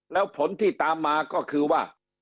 แล้วผลที่ตามมาก็คือว่า